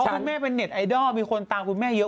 เพราะคุณแม่เป็นเน็ตไอดอลมีคนตามคุณแม่เยอะ